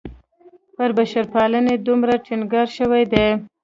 پر بشرپالنې دومره ټینګار شوی دی.